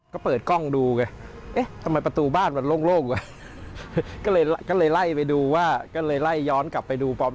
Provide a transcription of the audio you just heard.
ก็เปิดกล้องดูไงเอ๊ะทำไมประตูบ้านมันโล่งว่ะก็เลยก็เลยไล่ไปดูว่าก็เลยไล่ย้อนกลับไปดูปลอม